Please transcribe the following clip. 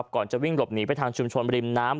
ก่อนจะวิ่งหลบหนีไปทางชุมชนบริมน้ำ